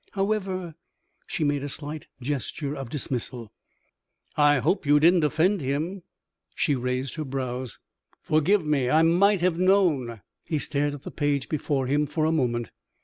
However " She made a slight gesture of dismissal. "I hope you didn't offend him?" She raised her brows. "Forgive me. I might have known " He stared at the page before him for a moment.